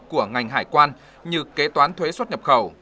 của ngành hải quan như kế toán thuế xuất nhập khẩu